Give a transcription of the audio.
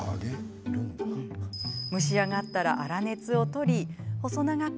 蒸し上がったら粗熱を取り細長く